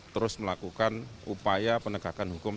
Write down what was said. terus melakukan upaya penegakan hukum